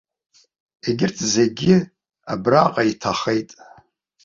Егьырҭ зегьы абраҟа иҭахеит.